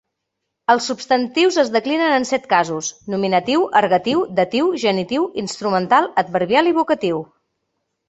Els substantius es declinen en set casos: nominatiu, ergatiu, datiu, genitiu, instrumental, adverbial i vocatiu.